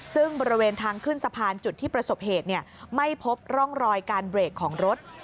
ซึ่งบริเวณทางขึ้นสะพานจุดที่ประสบเหตุไม่พบร่องรอยการเบรกของรถ